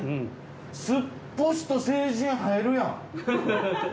すっぽしと成人入るやん。